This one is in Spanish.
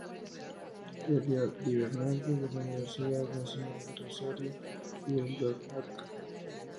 Elio di Bernardo de la Universidad Nacional de Rosario, y el Dr. Arq.